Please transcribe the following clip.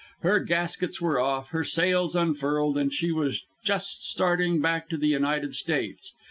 Her gaskets were off, her sails unfurled; she was just starting back to the United States.